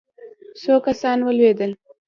څو کسان ولوېدل.